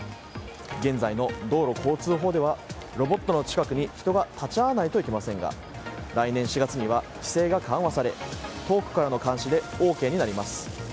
現在の道路交通法ではロボットの近くに人が立ち会わないといけませんが来年４月には規制が緩和され遠くからの監視でＯＫになります。